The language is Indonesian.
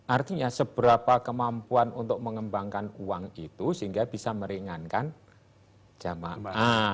artinya seberapa kemampuan untuk mengembangkan uang itu sehingga bisa meringankan jamaah